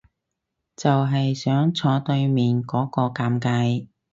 就係想坐對面嗰個尷尬